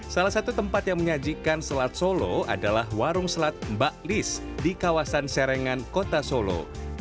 salah satu tempat yang menyajikan selat solo adalah warung selat mbak lis di kawasan serengan kota solo